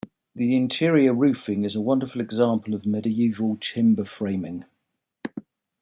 The interior roofing is a wonderful example of medieval timber framing.